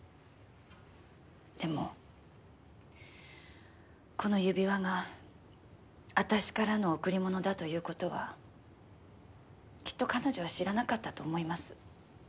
でもこの指輪が私からの贈り物だという事はきっと彼女は知らなかったと思います。